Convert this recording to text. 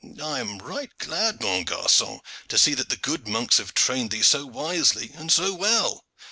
I am right glad, mon garcon, to see that the good monks have trained thee so wisely and so well."